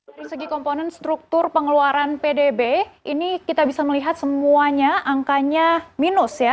dari segi komponen struktur pengeluaran pdb ini kita bisa melihat semuanya angkanya minus ya